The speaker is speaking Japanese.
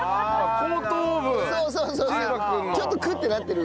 ちょっとクッてなってる。